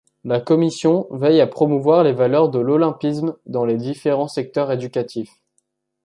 La commission veille à promouvoir les valeurs de l'olympisme dans les différents secteurs éducatifs.